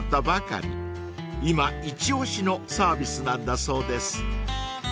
［今一押しのサービスなんだそうです］